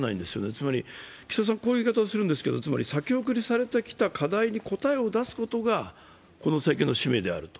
つまり、岸田さんはこういう言い方をするんで、先送りされてきた課題に答えを出すことがこの政権の使命であると。